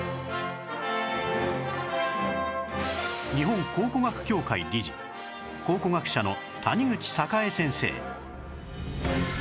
日本考古学協会理事考古学者の谷口榮先生